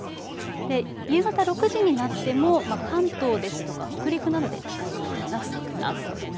夕方６時になっても関東ですとか北陸などで高い状態が続きます。